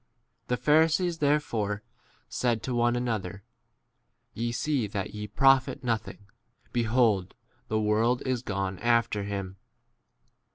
The Pharisees therefore said to one another, Ye see that ye profit nothing ; behold, the world is gone after him.